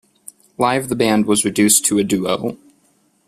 Live the band was reduced to a duo.